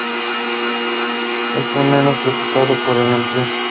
Estoy menos preocupado por el empleo.